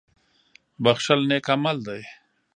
• بښل نېک عمل دی.